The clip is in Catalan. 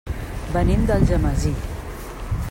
Venim d'Algemesí.